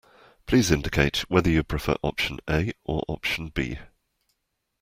Please indicate whether you prefer option A or option B